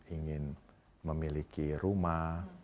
ingin memiliki rumah